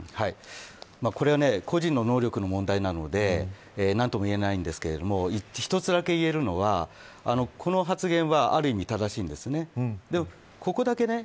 その船長は現場の海の経験が浅いこれは個人の能力の問題なので何とも言えないんですが一つだけ言えるのはこの発言はある意味、正しいんですね。